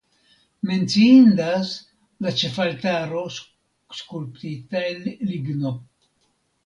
Menciindas la ĉefaltaro skulptita el ligno.